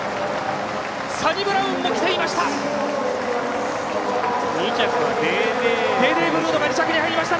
サニブラウンも来ていました。